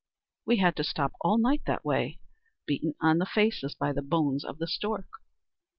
"We had to stop all night that way, beaten on the faces by the bones of the stork.